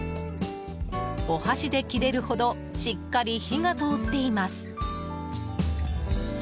お箸で切れるほどしっかり火が通っています。